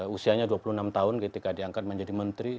usianya dua puluh enam tahun ketika diangkat menjadi menteri